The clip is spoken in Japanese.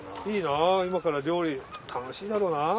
いいな今から料理楽しいだろうな！